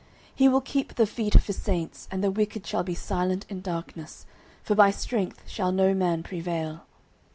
09:002:009 He will keep the feet of his saints, and the wicked shall be silent in darkness; for by strength shall no man prevail.